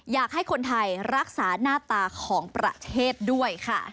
อยากให้คนไทยรักษาหน้าตาของประเทศด้วยค่ะ